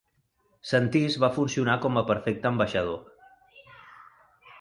Sentís va funcionar com a perfecte ambaixador.